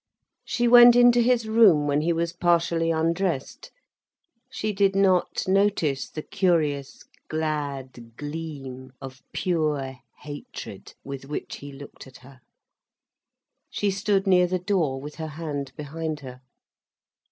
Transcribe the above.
She went into his room when he was partially undressed. She did not notice the curious, glad gleam of pure hatred, with which he looked at her. She stood near the door, with her hand behind her.